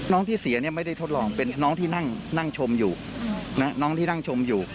น้องที่เสียไม่ได้ทดลองเป็นน้องที่นั่งชมอยู่